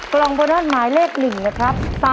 กล่องโบนัสหมายเลข๑นะครับ